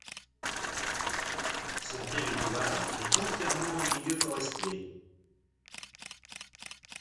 Son territoire est entièrement en milieu forestier.